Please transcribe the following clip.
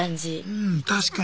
うん確かに。